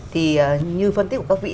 thì như phân tích của các vị